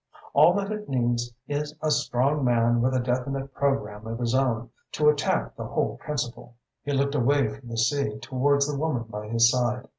All that it needs is a strong man with a definite programme of his own, to attack the whole principle." He looked away from the sea towards the woman by his side.